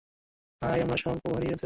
তাই আমরা স্বল্পভারী হতে চাচ্ছি।